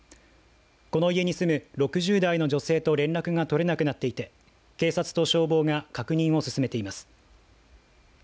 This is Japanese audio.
この家に住む６０代の女性と連絡が取れなくなっていて警察と消防が確認を進めています。